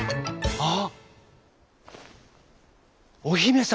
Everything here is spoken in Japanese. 「あっ！